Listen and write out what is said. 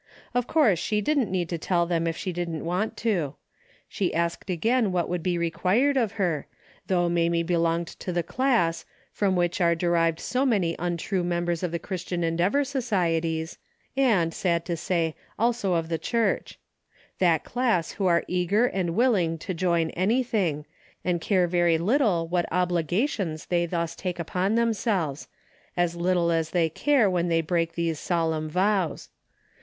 Of course she didn't need to tell them if she didn't want to. She asked again what would be required of her, though Mamie be longed to the class, from which are derived so many untrue members of the Christian En deavor societies, and, sad to say, also of the church ; that class who are eager and willing to join anything, and care very little what obligations they thus take upon themselves; as little as they care when they break these solemn vows.